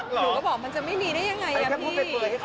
หนูก็บอกมันจะไม่มีได้ยังไง